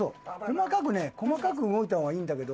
細かくね細かく動いた方がいいんだけど。